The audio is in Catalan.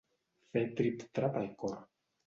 Fer trip-trap el cor.